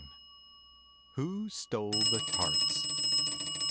WHO STOLE THE TARTS?